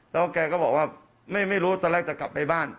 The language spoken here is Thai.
แล้วแกก็บอกว่าไม่รู้ตอนแรกจะกลับไปบ้าน